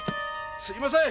すいません。